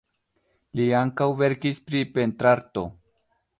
Li ankaŭ verkis pri pentrarto.